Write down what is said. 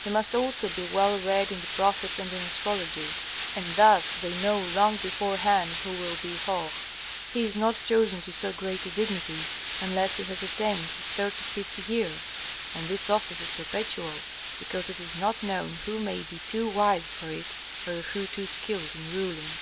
He must also be well read in the prophets and in astrology. And thus they know long beforehand who will be Hoh. He is not chosen to so great a dignity unless he has attained his thirty fifth year. And this office is perpetual, because it is not known who may be too wise for it or who too skilled in ruling.